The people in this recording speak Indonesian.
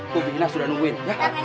kubi ina sudah nungguin